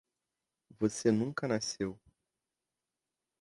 Você nunca nasceu.